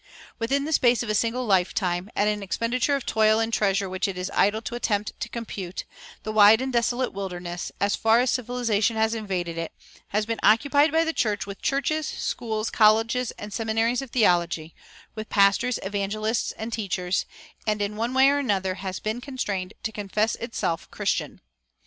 Within the space of a single lifetime, at an expenditure of toil and treasure which it is idle to attempt to compute, the wide and desolate wilderness, as fast as civilization has invaded it, has been occupied by the church with churches, schools, colleges, and seminaries of theology, with pastors, evangelists, and teachers, and, in one way or another, has been constrained to confess itself Christian.